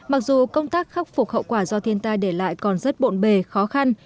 mặc dù công tác khắc phục hậu quả do thiên tai để lại còn rất bộn bề khó khăn